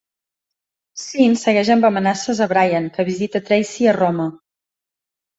Sean segueix amb amenaces a Brian, que visita a Tracy a Roma.